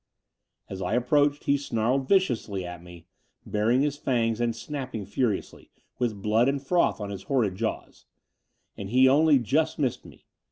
As I approached he snarled viciously at me, baring his fangs and snapping furiously, with blood and froth on his horrid jaws: and he only just missed me.